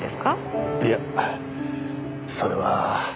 いやそれは。